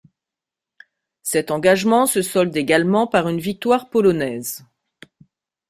Cet engagement se solde également par une victoire polonaise.